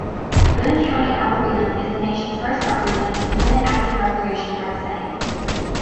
Boone County Arboretum is the nation's first arboretum within an active recreation park setting.